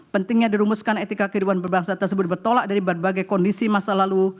pentingnya dirumuskan etika kehidupan berbangsa tersebut bertolak dari berbagai kondisi masa lalu